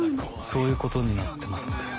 そういうことになってますので。